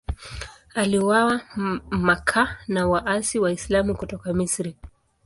Aliuawa Makka na waasi Waislamu kutoka Misri.